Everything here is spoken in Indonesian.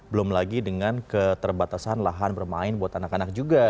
belum lagi dengan keterbatasan lahan bermain buat anak anak juga